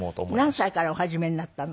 何歳からお始めになったの？